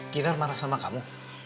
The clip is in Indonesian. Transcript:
kinar marah sama kamu